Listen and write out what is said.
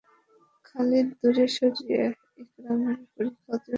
খালিদ দূরে দাঁড়িয়ে ইকরামার পরিখা অতিক্রম করার দৃশ্য দেখছিলেন।